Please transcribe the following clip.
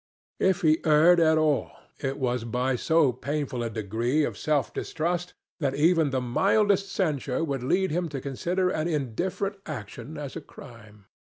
If he erred at all, it was by so painful a degree of self distrust that even the mildest censure would lead him to consider an indifferent action as a crime.